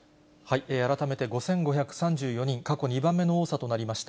改めて５５３４人、過去２番目の多さとなりました。